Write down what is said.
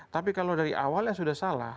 tapi kalau dari awalnya sudah salah